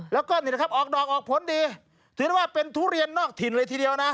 แล้วก็นี่นะครับออกดอกออกผลดีถือได้ว่าเป็นทุเรียนนอกถิ่นเลยทีเดียวนะ